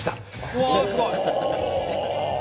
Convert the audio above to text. うわすごい！